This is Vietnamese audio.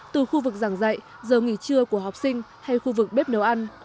từ khu vực giảng dạy giờ nghỉ trưa của học sinh hay khu vực bếp nấu ăn